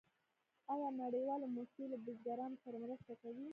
آیا نړیوالې موسسې له بزګرانو سره مرسته کوي؟